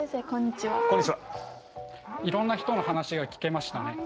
いろんな人の話が聞けましたね。